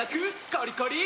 コリコリ！